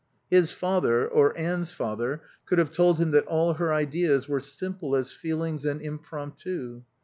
His father, or Anne's father, could have told him that all her ideas were simple as feelings and impromptu.